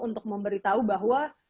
untuk memberitahu bahwa